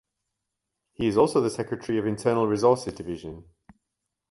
He is also the secretary of Internal Resources Division.